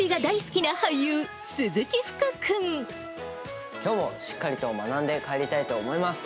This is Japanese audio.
きょうもしっかりと学んで帰りたいと思います。